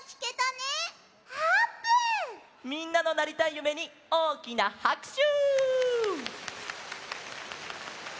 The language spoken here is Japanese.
みんなのなりたいゆめにおおきなはくしゅ！